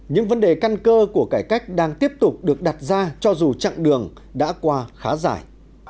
những vấn đề căn cơ của cải cách đang tiếp tục được đặt ra cho dù chặng đường đã qua khá dài